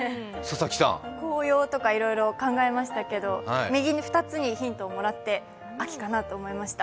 紅葉とかいろいろ考えましたけど右の２つにヒントをもらって秋かなと思いました。